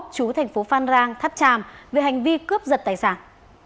chú thành phố phan rang tháp tràm về hành vi cướp giật tài sản